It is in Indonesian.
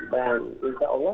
dan insya allah